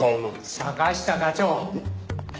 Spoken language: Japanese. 坂下課長君